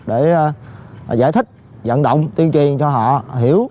để giải thích dẫn động tuyên truyền cho họ hiểu